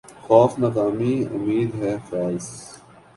خوف ناکامئ امید ہے فیضؔ